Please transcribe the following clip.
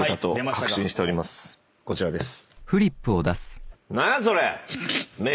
こちらです。